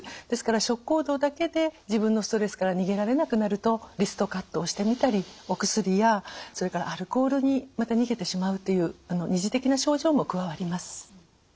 ですから食行動だけで自分のストレスから逃げられなくなるとリストカットをしてみたりお薬やそれからアルコールにまた逃げてしまうっていう２次的な症状も加わります。